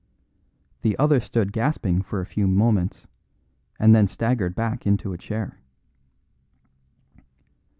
The other stood gasping for a few moments, and then staggered back into a chair.